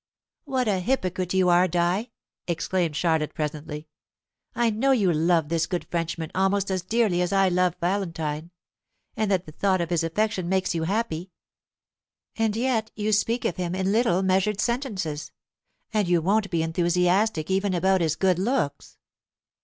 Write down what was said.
"What a hypocrite you are, Di!" exclaimed Charlotte presently. "I know you love this good Frenchman almost as dearly as I love Valentine, and that the thought of his affection makes you happy; and yet you speak of him in little measured sentences, and you won't be enthusiastic even about his good looks."